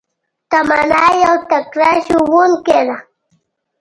تمنا يو تکړه ښوونکي ده